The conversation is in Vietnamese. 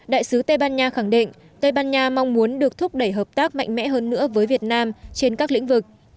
đại sứ tây ban nha khẳng định tây ban nha mong muốn được thúc đẩy hợp tác mạnh mẽ hơn nữa với việt nam trên các lĩnh vực